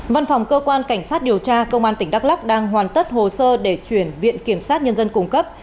văn phòng cơ quan cảnh sát điều tra công an tỉnh đắk lắc đang hoàn tất hồ sơ để chuyển viện kiểm sát nhân dân cung cấp